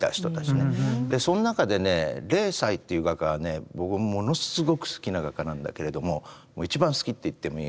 その中でね霊彩という画家は僕ものすごく好きな画家なんだけれども一番好きと言ってもいいぐらい。